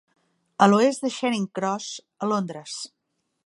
A l'oest de Charing Cross, a Londres.